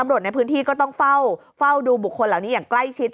ตำรวจในพื้นที่ก็ต้องเฝ้าดูบุคคลเหล่านี้อย่างใกล้ชิด